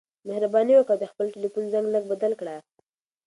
مهرباني وکړه او د خپل ټیلیفون زنګ لږ بدل کړه.